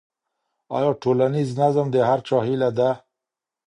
آیا ټولنیز نظم د هر چا هيله ده؟